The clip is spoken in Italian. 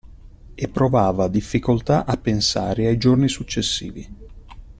E provava difficoltà a pensare ai giorni successivi.